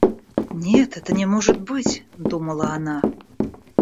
Нет, это не может быть, — думала она.